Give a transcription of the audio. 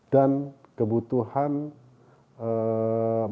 dan kebutuhan masyarakat juga